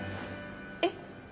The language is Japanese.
えっ？